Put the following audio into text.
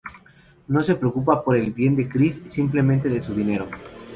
No se preocupa por el bien de Chris, simplemente de su dinero.